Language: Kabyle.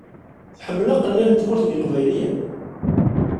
Tḥemmel aqellal n Tmurt n yeqbayliyen?